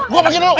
gua pergi dulu